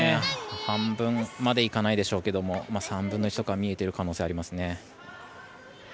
半分までいかないでしょうけども３分の１とか見えている可能性があります。